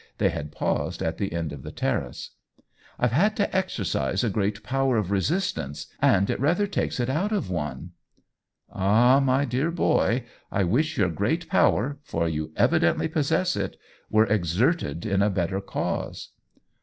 They had paused at the end of the terrace. "IVe had to exercise a great power of resistance, and it rather takes it out of one.'' 184 OWEN WINGRAVE "Ah, my dear boy, I wish your great power — for you evidently possess it — were exerted in a better cause